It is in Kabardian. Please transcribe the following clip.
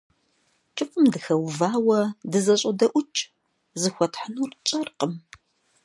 КӀыфӀым дыхэувауэ, дызэпходэӀукӀ – зыхуэтхьынур тщӀэркъым.